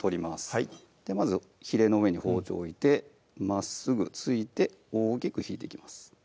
はいまずひれの上に包丁置いてまっすぐ突いて大きく引いていきます